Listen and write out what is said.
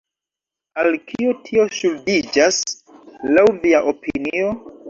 Al kio tio ŝuldiĝas, laŭ via opinio?